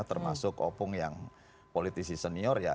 termasuk opung yang politisi senior ya